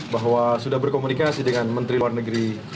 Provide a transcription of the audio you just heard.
bahwa sudah berkomunikasi dengan menteri luar negeri